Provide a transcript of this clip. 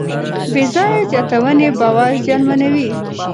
بېځایه زیاتونې باور زیانمنوي.